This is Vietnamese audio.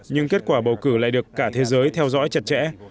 nhưng kết quả bầu cử lại được cả thế giới theo dõi chặt chẽ